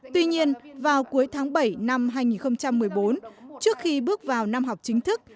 tuy nhiên vào cuối tháng bảy năm hai nghìn một mươi bốn trước khi bước vào năm học chính thức